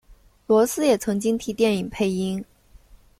罗斯也曾经替电影配音。